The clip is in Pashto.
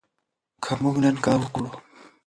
که موږ نن کار وکړو.